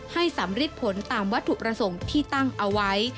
สำริดผลตามวัตถุประสงค์ที่ตั้งเอาไว้